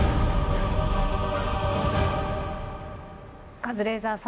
カズレーザーさん